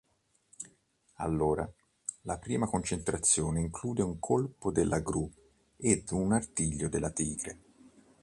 Allora, la prima concentrazione include un colpo della gru ed un artiglio della tigre.